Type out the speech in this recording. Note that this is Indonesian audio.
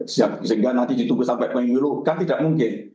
sehingga nanti ditunggu sampai pemilu kan tidak mungkin